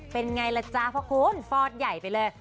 เป็นไงล่ะจ๊ะเพราะคุณฟอดใหญ่ไปเลย